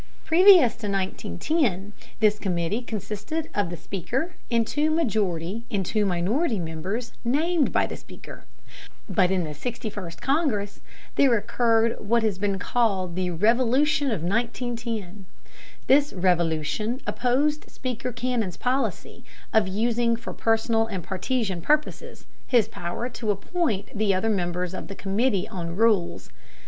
Previous to 1910 this committee consisted of the Speaker, and two majority and two minority members named by the Speaker. But in the 61st Congress, there occurred what has been called the "revolution of 1910." This "revolution" opposed Speaker Cannon's policy of using for personal and partisan purposes his power to appoint the other members of the committee on rules.